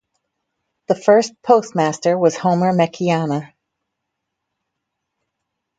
The first postmaster was Homer Mekiana.